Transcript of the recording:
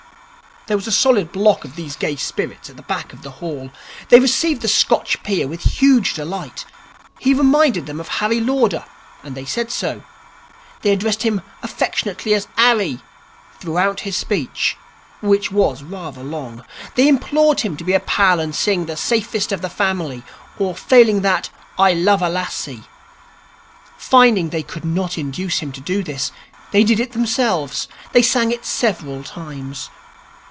There was a solid block of these gay spirits at the back of the hall. They received the Scotch peer with huge delight. He reminded them of Harry Lauder and they said so. They addressed him affectionately as 'Arry', throughout his speech, which was rather long. They implored him to be a pal and sing 'The Saftest of the Family'. Or, failing that, 'I love a lassie'. Finding they could not induce him to do this, they did it themselves. They sang it several times.